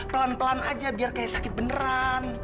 pelan pelan aja biar kayak sakit beneran